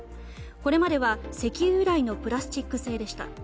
これまでは石油由来のプラスチック製でした。